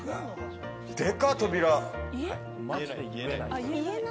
でか、扉。